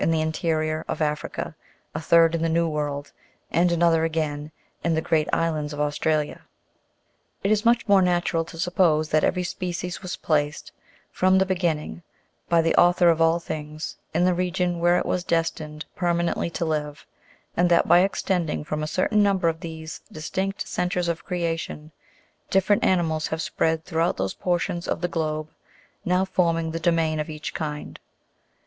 105 the interior of Africa, a third in the New World, and another again in the great islands of Australia. It is much more natural to sup pose that every species was placed, from the beginning, by the Author of all things, in the region where it was destined perma nently to live, and that by extending from a certain number of these distinct centres of creation, different animals have spread throughout tfoose portions of the globe now forming the domain of each kind.